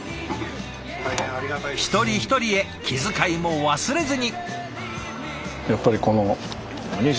一人一人へ気遣いも忘れずに。